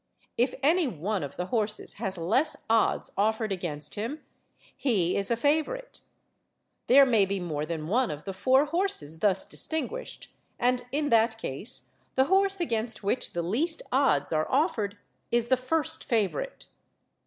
If any one of the horses has less odds offered against him, he is a favourite. There may be more than one of the four horses thus distinguished; and, in that case, the horse against which the least odds are offered is the first favourite.